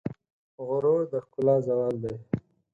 غرور د ښکلا زوال دی.